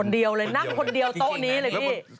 เดียวเลยนั่งคนเดียวโต๊ะนี้เลยพี่